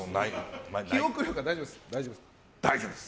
記憶力は大丈夫ですか？